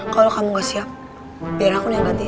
kalau kamu gak siap biar aku yang ngantiin